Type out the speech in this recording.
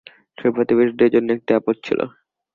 সে প্রতিবেশীদের জন্য একটা আপদ ছিল।